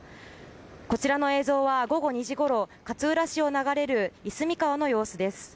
こちらの映像は午後２時ごろ勝浦市を流れる夷隅川の様子です。